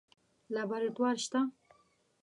لابراتوار شته؟